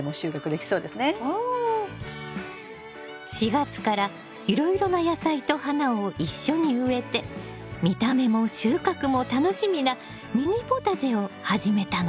４月からいろいろな野菜と花を一緒に植えて見た目も収穫も楽しみなミニポタジェを始めたの。